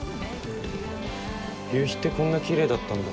夕日ってこんな奇麗だったんだ。